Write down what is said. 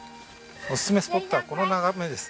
おすすめスポットはこの眺めです。